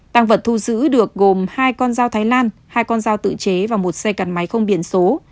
tăng vật thu giữ được gồm hai con dao thái lan hai con dao tự chế và một xe cắn máy không biển số